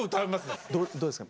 どうですか？